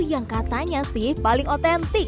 yang katanya sih paling otentik